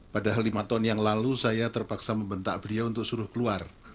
padahal lima tahun yang lalu saya terpaksa membentak beliau untuk suruh keluar